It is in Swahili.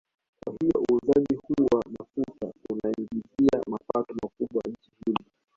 Kwa hiyo uuzaji huu wa mafuta unaziingizia mapato makubwa nchi hizi